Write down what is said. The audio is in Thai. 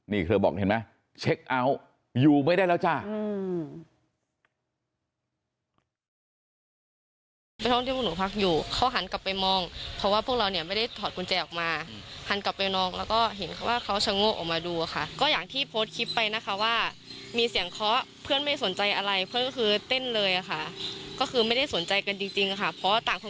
นี่เธอบอกเห็นไหมเช็คเอาท์อยู่ไม่ได้แล้วจ้า